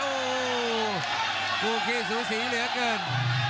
โอ้ฟูเกสุสีเหลือเกิน